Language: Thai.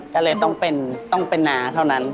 ก็เลยต้องเป็นต้องเป็นนาเท่านั้น